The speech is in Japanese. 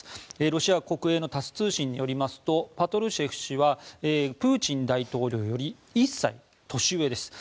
ロシア国営のタス通信によりますとパトルシェフ氏はプーチン大統領より１歳年上です。